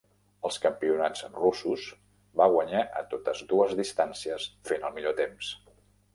Als campionats russos, va guanyar a totes dues distàncies fent el millor temps.